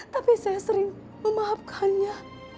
tapi saya sering memaafkannya